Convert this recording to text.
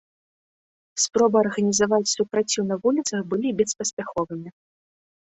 Спробы арганізаваць супраціў на вуліцах былі беспаспяховымі.